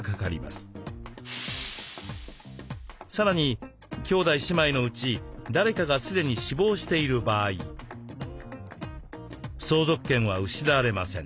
さらに兄弟姉妹のうち誰かが既に死亡している場合相続権は失われません。